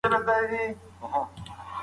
ګړندی قدم وهل د زړه حرکت چټکوي.